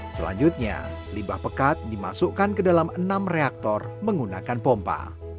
selanjutnya limbah pekat dimasukkan ke dalam enam reaktor menggunakan pompa